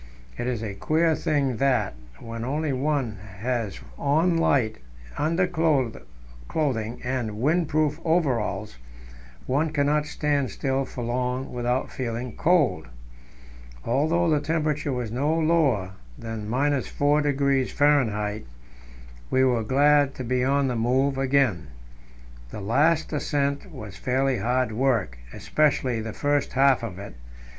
It is a queer thing that, when one only has on light underclothing and windproof overalls, one cannot stand still for long without feeling cold. Although the temperature was no lower than 4° F., we were glad to be on the move again. The last ascent was fairly hard work, especially the first half of it.